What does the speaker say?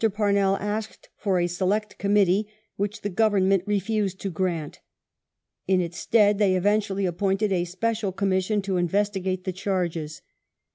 Parnell asked for a Select Committee which the Government refused to grant. In its stead they eventually appointed a Special Commission to investigate the charges.